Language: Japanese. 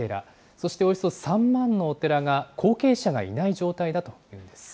そしておよそ３万のお寺が後継者がいない状態だというんです。